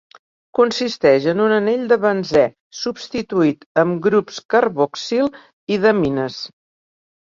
Consisteix en un anell de benzè substituït amb grups carboxil i d'amines.